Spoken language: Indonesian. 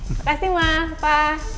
makasih ma papa